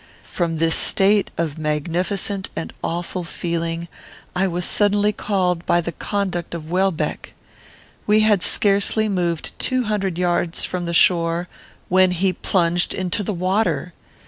From this state of magnificent and awful feeling I was suddenly called by the conduct of Welbeck. We had scarcely moved two hundred yards from the shore, when he plunged into the water.